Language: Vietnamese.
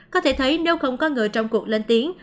có thể thấy nếu không có người trong cuộc lên tiếng